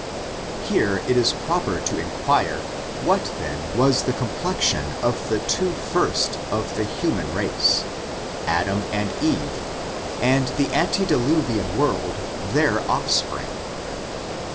Here it is proper to inquire what then was the com plexion of the two first of the human race, Adam and Eve, and the antediluvian world, their offspring?